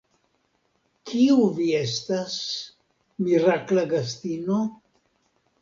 Kiu vi estas, mirakla gastino?